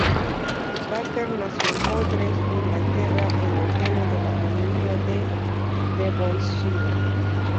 Baker nació en Londres, Inglaterra, en el seno de una familia de Devonshire.